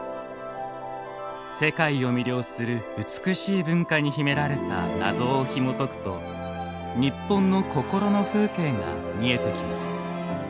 世界を魅了する美しい文化に秘められた謎をひもとくと日本の心の風景が見えてきます。